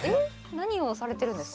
何をされてるんですか？